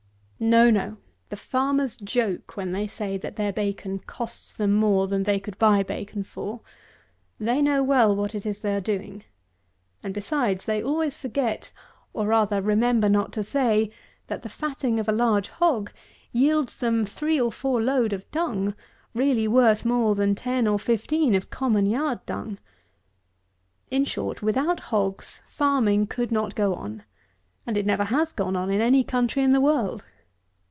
No, no: the farmers joke when they say, that their bacon costs them more than they could buy bacon for. They know well what it is they are doing; and besides, they always forget, or, rather, remember not to say, that the fatting of a large hog yields them three or four load of dung, really worth more than ten or fifteen of common yard dung. In short, without hogs, farming could not go on; and it never has gone on in any country in the world.